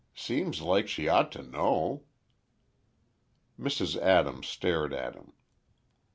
Seems like she ought to know." Mrs. Adams stared at him.